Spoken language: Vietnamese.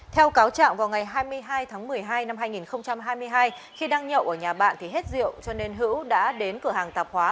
theo cáo trạng vào ngày hai mươi hai tháng một mươi hai năm hai nghìn hai mươi hai khi đang nhậu ở nhà bạn thì hết rượu cho nên hữu đã đến cửa hàng tạp hóa